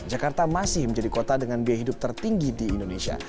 jakarta masih menjadi kota dengan biaya hidup tertinggi di indonesia